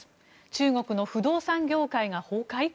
中国の不動産業界が崩壊？